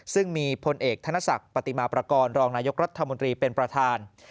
ซึ่งมีพลเอกธนศักดิ์ปฏิมาประกอบรองนายกรัฐมนตรีเป็นประธาน